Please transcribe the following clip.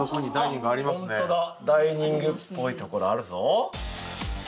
ホントだダイニングっぽいところあるぞ